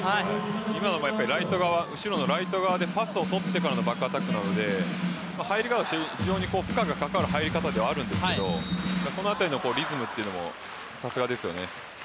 今のも後ろのライト側でパスをとってからのバックアタックなので、入り方として非常に負荷がかかる入り方ではあるんですけどその辺りのリズムもさすがですよね。